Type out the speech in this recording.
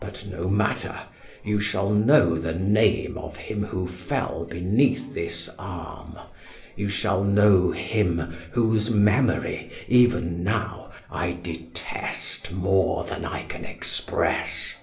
But no matter; you shall know the name of him who fell beneath this arm: you shall know him, whose memory, even now, I detest more than I can express.